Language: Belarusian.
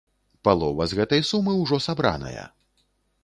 Палова з гэтай сумы ўжо сабраная.